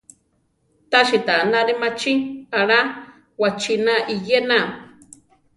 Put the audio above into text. Tási ta anári machí aʼlá wachína iyéna.